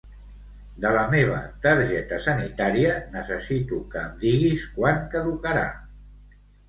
De la meva targeta sanitària, necessito que em diguis quan caducarà.